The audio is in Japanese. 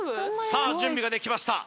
さあ準備ができました